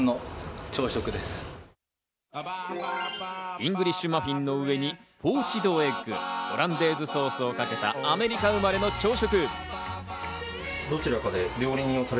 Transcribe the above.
イングリッシュマフィンの上にポーチドエッグ、オランデーズソースをかけたアメリカ生まれの朝食。